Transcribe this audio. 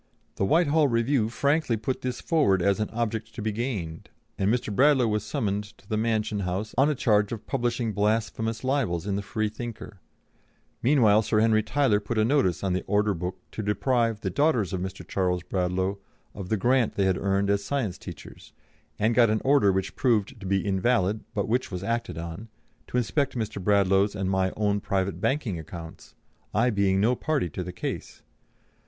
The Whitehall Review frankly put this forward as an object to be gained, and Mr. Bradlaugh was summoned to the Mansion House on a charge of publishing blasphemous libels in the Freethinker; meanwhile Sir Henry Tyler put a notice on the Order Book to deprive "the daughters of Mr. Charles Bradlaugh" of the grant they had earned as science teachers, and got an order which proved to be invalid, but which was acted on, to inspect Mr. Bradlaugh's and my own private banking accounts, I being no party to the case.